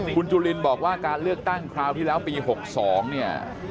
คุณจุลินบอกว่าการเลือกตั้งคราวที่แล้วปี๖๒เนี่ย